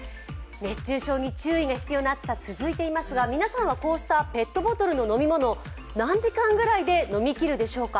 熱中症に注意が必要な暑さ、続いていますが、皆さんはこうしたペットボトルの飲み物、何時間ぐらいで飲みきるでしょうか。